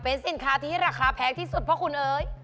เป็นสินค้าที่ราคาแพงที่สุดเพราะคุณเอ๋ย